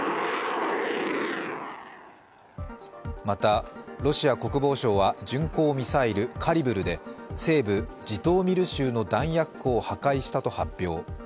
また、ロシア国防省は巡航ミサイル・カリブルで西部ジトーミル州の弾薬庫を破壊したと発表。